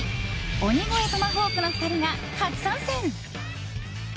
鬼越トマホークの２人が初参戦！